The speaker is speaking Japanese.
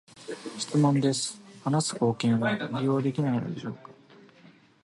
質問です、話す貢献は利用できないのでしょうか？